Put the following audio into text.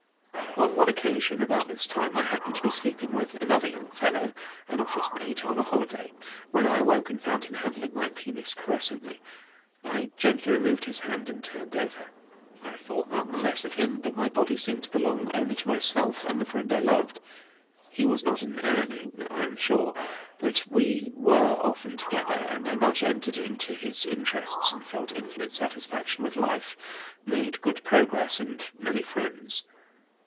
On one occasion, about this time, I happened to be sleeping with another young fellow (an office mate) on a holiday, when I awoke and found him handling my penis caressingly. I gently removed his hand and turned over. I thought none the less of him, but my body seemed to belong only to myself and the friend I loved. He was not an urning, I am sure, but we Were often together and I much entered into his interests and felt infinite satisfaction with life, made good progress and many friends.